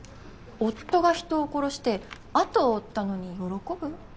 夫が人を殺して後を追ったのに喜ぶ？